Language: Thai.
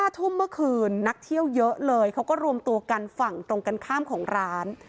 ทุ่มเมื่อคืนนักเที่ยวเยอะเลยเขาก็รวมตัวกันฝั่งตรงกันข้ามของร้าน